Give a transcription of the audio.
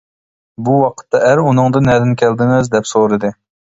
بۇ ۋاقىتتا ئەر ئۇنىڭدىن نەدىن كەلدىڭىز دەپ سورىدى.